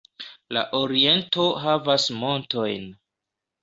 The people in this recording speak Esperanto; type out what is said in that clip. La oriento havas montojn.